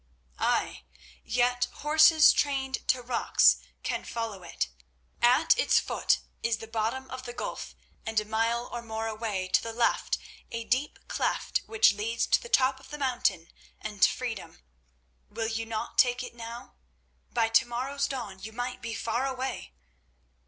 "Ay, yet horses trained to rocks can follow it. At its foot is the bottom of the gulf, and a mile or more away to the left a deep cleft which leads to the top of the mountain and to freedom. Will you not take it now? By tomorrow's dawn you might be far away."